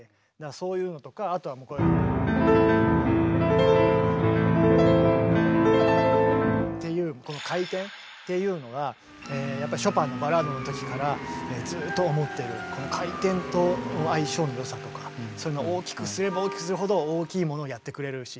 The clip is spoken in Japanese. そういうのとかあとは。っていうこの回転っていうのがやっぱりショパンの「バラード」のときからずっと思ってるこの回転との相性の良さとかそういうのを大きくすれば大きくするほど大きいものをやってくれるし。